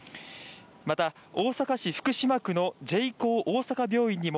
また大阪市福島区のＪＣＨＯ大阪病院にも